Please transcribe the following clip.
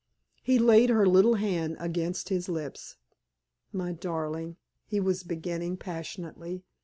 He laid her little hand against his lips. "My darling!" he was beginning, passionately.